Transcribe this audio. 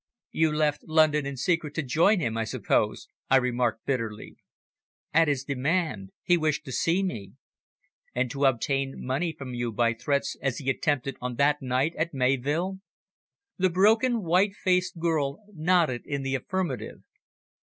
"You left London in secret to join him, I suppose?" I remarked bitterly. "At his demand. He wished to see me." "And to obtain money from you by threats as he attempted on that night at Mayvill?" The broken, white faced girl nodded in the affirmative.